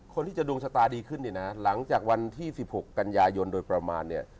คนที่จะดวงชะตาดีขึ้นเนี่ยนะหลังจากวันที่๑๖กันยายนโดยประมาณเนี่ย